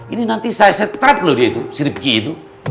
ini nanti saya setrap loh dia itu si rifqi itu